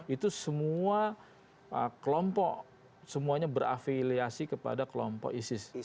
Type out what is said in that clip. itu semua kelompok semuanya berafiliasi kepada kelompok isis